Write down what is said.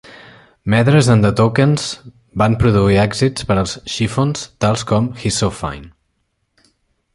Medress and the Tokens van produir èxits per als Chiffons, tals com "He's So Fine".